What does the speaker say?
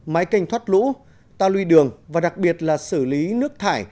máy kênh thoát lũ ta lùi đường và đặc biệt là xử lý nước thải